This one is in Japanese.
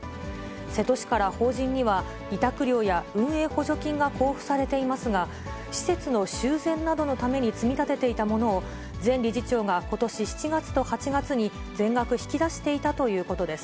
瀬戸市から法人には委託料や運営補助金が交付されていますが、施設の修繕などのために積み立てていたものを、前理事長がことし７月と８月に、全額引き出していたということです。